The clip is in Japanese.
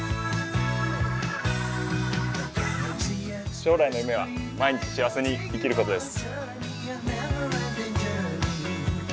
将来の夢は毎日幸せに生きることです。